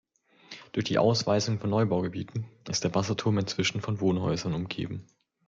Durch die Ausweisung von Neubaugebieten ist der Wasserturm inzwischen von Wohnhäusern umgeben.